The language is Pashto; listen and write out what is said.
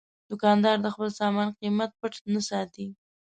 دوکاندار د خپل سامان قیمت پټ نه ساتي.